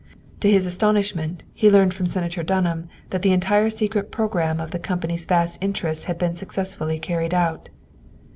To his astonishment, he learned from Senator Dunham that the entire secret programme of the company's vast interests had been successfully carried out.